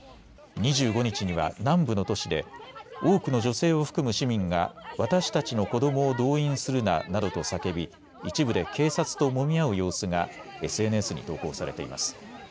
２５日には南部の都市で多くの女性を含む市民が私たちの子どもを動員するななどと叫び、一部で警察ともみ合う様子がＳＮＳに投稿されています。